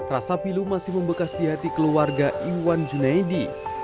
rasa pilu masih membekas di hati keluarga iwan junaidi